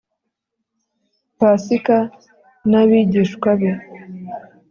Pasika n abigishwa be